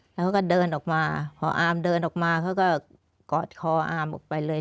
แล้วเขาก็เดินออกมาพออาร์มเดินออกมาเขาก็กอดคออามออกไปเลย